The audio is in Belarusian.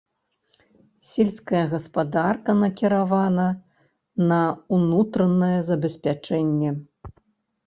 Сельская гаспадарка накіравана на ўнутранае забеспячэнне.